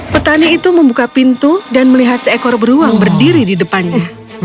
petani itu membuka pintu dan melihat seekor beruang berdiri di depannya